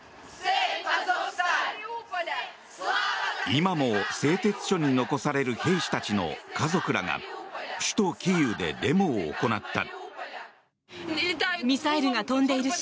今も製鉄所に残される兵士たちの家族らが首都キーウでデモを行った。